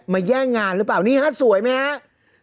แย่งงานหรือเปล่านี่ฮะสวยไหมครับ